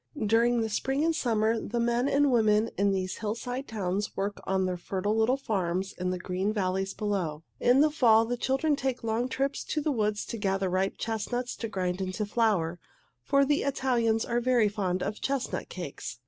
During spring and summer the men and women in these hillside towns work on their fertile little farms in the green valleys below. In the fall the children take long trips to the woods to gather ripe chestnuts to grind into flour, for the Italians are very fond of chestnut cakes.